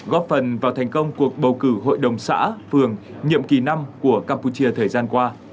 góp phần vào thành công cuộc bầu cử hội đồng xã phường nhiệm kỳ năm của campuchia thời gian qua